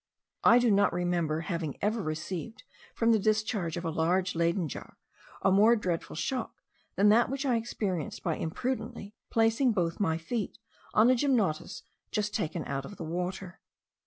I do not remember having ever received from the discharge of a large Leyden jar, a more dreadful shock than that which I experienced by imprudently placing both my feet on a gymnotus just taken out of the water.